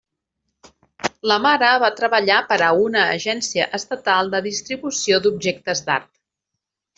La mare va treballar per a una agència estatal de distribució d'objectes d'art.